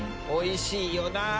おいしいよな。